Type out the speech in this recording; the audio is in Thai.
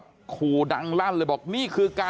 ปีนขึ้นไปกว่ากันเลยใช่ครับขึ้นไปกว่า